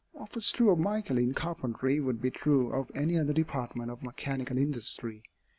What was true of Michael in carpentry, would be true of any other department of mechanical industry.